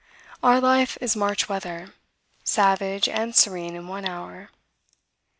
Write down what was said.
Our life is March weather, savage and serene in one hour.